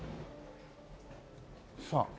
さあ。